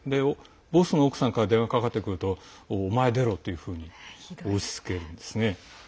ボスの奥さんから電話がかかってくるとお前、出ろ！と押しつけるんです。